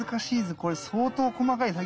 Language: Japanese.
これ相当細かい作業ですね